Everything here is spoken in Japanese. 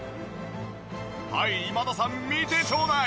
はい今田さん見てちょうだい！